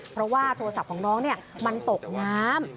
เพราะว่าโทรศัพท์ของน้องมันตกน้ำ